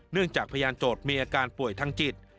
จากพยานโจทย์มีอาการป่วยทางจิต